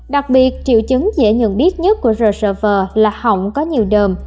đặc biệt triệu chứng dễ nhận biết nhất của rsv là hỏng có nhiều đờm